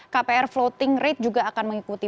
kpr floating rate juga akan mengikuti